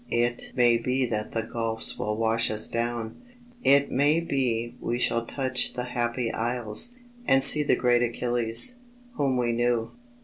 It may be that the gulfs will wash us down; It may be we shall touch the Happy Isles, And see the great Achilles, whom we knew.